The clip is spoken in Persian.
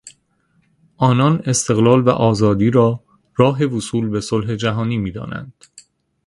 آنان استقلال و آزادی را راه وصول به صلح جهانی میدانند.